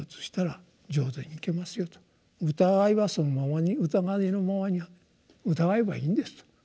「疑いはそのままに疑いのままに疑えばいいんです」と。